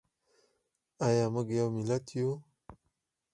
ایا موږ یو ملت یو؟